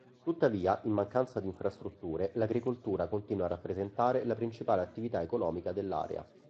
Tuttavia, in mancanza di infrastrutture, l'agricoltura continua a rappresentare la principale attività economica dell'area.